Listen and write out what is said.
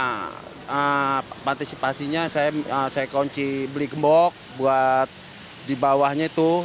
untuk antisipasinya saya kunci beli gembok buat dibawahnya tuh